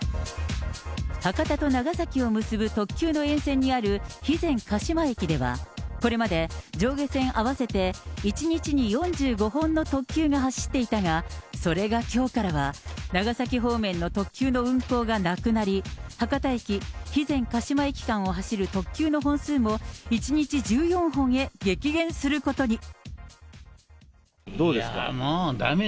博多と長崎を結ぶ特急の沿線にある肥前鹿島駅では、これまで上下線合わせて１日に４５本の特急が走っていたが、それがきょうからは長崎方面の特急の運行がなくなり、博多駅・肥前鹿島駅間を走る特急の本数も１日１４本へ激減するこどうですか？